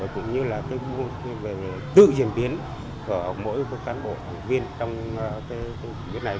cũng như là tự diễn biến của mỗi một cán bộ viên trong nghị quyết này